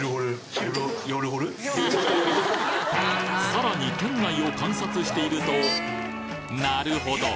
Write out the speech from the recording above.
さらに店内を観察しているとなるほど！